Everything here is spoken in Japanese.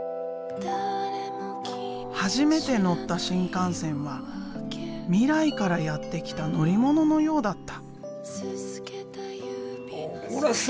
初めて乗った新幹線は未来からやって来た乗り物のようだった。